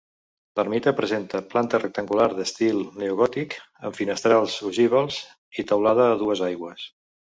L'ermita presenta planta rectangular, d'estil neogòtic amb finestrals ogivals i teulada a dues aigües.